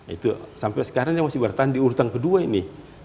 itu sampai sekarang ini masih bertahan diurutan kedua ini